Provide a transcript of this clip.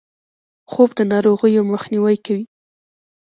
خوب د ناروغیو مخنیوی کوي